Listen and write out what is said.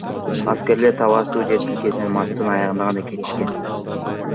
Аскерлер талаштуу жер тилкесинен марттын аягында гана кетишкен.